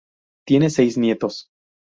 Tiene seis nietos.